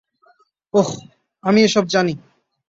ওহ, আমি ওসব জানি।